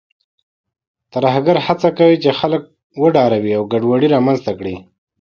ترهګر هڅه کوي چې خلک وډاروي او ګډوډي رامنځته کړي.